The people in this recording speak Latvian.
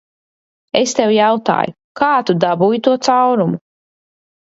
Es tev jautāju, kā tu dabūji to caurumu?